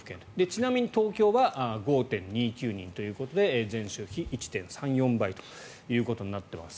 ちなみに東京は５．２９人ということで前週比１．３４倍ということになっています。